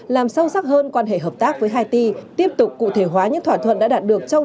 làm sâu sắc hơn quan hệ hợp tác với haiti tiếp tục cụ thể hóa những thỏa thuận đã đạt được trong